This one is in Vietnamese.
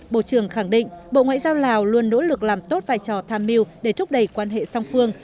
bộ trưởng khẳng định bộ ngoại giao lào luôn nỗ lực làm tốt vai trò tham mưu để thúc đẩy quan hệ song phương